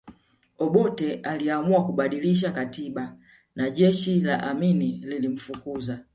Obote aliamua kubadilisha katiba na jeshi la Amini lilimfukuza